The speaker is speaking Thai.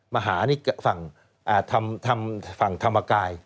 มหานิกษฝั่งอ่าธรรมกาย